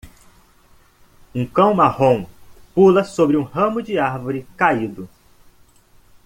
Um cão marrom pula sobre um ramo de árvore caído.